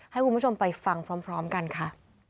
ให้คุณผู้ชมไปฟังพร้อมกันค่ะ